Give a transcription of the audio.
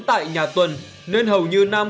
tại nhà tuần nên hầu như nam